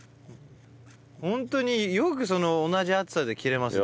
ホントによくその同じ厚さで切れますね。